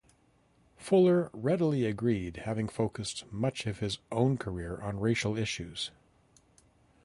Fuller readily agreed, having focused much of his own career on racial issues.